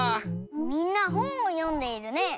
みんなほんをよんでいるね。